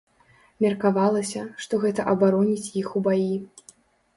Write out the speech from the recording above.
Меркавалася, што гэта абароніць іх у баі.